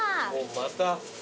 また。